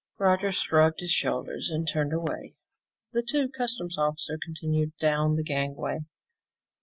Roger shrugged his shoulders and turned away. The two customs officers continued down the gangway.